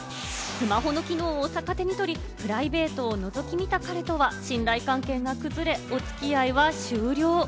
スマホの機能を逆手にとり、プライベートをのぞき見た彼とは信頼関係が崩れ、お付き合いは終了。